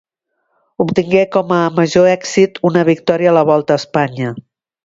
Obtingué com a major èxit una victòria a la Volta a Espanya.